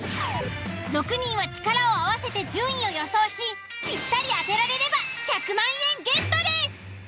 ６人は力を合わせて順位を予想しぴったり当てられれば１００万円ゲットです！